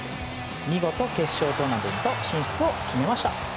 見事、決勝トーナメント進出を決めました。